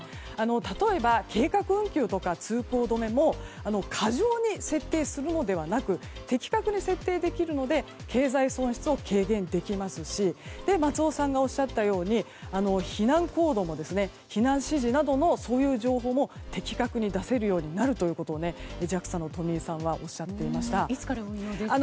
例えば、計画運休とか通行止めも過剰に設定するのではなく的確に設定できるので経済損失を軽減できますし松尾さんがおっしゃったように避難行動も避難指示などの情報も的確に出せるようになるとＪＡＸＡの富井さんはいつから運用ですか？